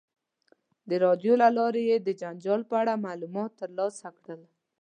د راډیو له لارې یې د جنجال په اړه معلومات ترلاسه کړل.